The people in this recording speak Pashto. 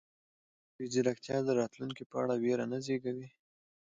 ایا مصنوعي ځیرکتیا د راتلونکي په اړه وېره نه زېږوي؟